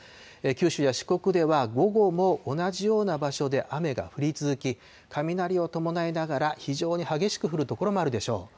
九州や四国では午後も同じような場所で雨が降り続き、雷を伴いながら、非常に激しく降る所もあるでしょう。